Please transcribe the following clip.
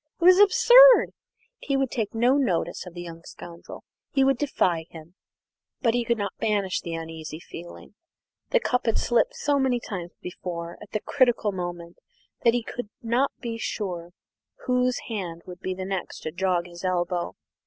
It was absurd; he would take no notice of the young scoundrel he would defy him. But he could not banish the uneasy feeling; the cup had slipped so many times before at the critical moment that he could not be sure whose hand would be the next to jog his elbow.